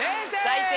最低！